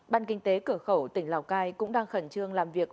ban kinh tế cửa khẩu tỉnh lào cai cũng đang khẩn trương làm việc